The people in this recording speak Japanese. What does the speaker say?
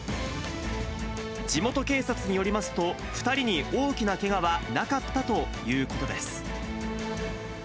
地元警察によりますと、２人に大きなけがはなかったということです。